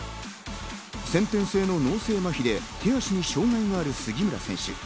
先天性の脳性まひで手足に障害がある杉浦選手。